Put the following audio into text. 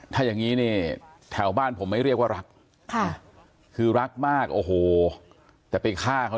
ถ้าอย่างนี้เนี่ยแถวบ้านผมไม่เรียกว่ารักค่ะคือรักมากโอ้โหแต่ไปฆ่าเขา